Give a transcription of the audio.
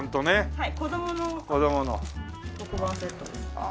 はい。